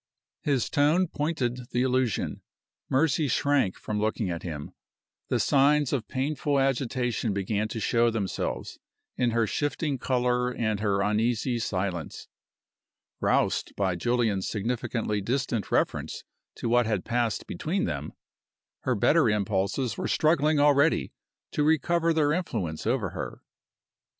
His tone pointed the allusion. Mercy shrank from looking at him. The signs of painful agitation began to show themselves in her shifting color and her uneasy silence. Roused by Julian's significantly distant reference to what had passed between them, her better impulses were struggling already to recover their influence over her.